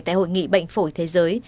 tại hội nghị bệnh phổi thế giới